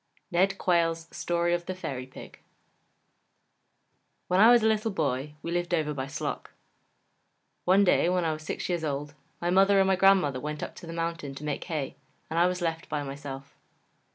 NED QUAYLE'S STORY OF THE FAIRY PIG When I was a little boy, we lived over by Sloc. One day, when I was six years old, my mother and my grandmother went up the mountain to make hay and I was left by myself.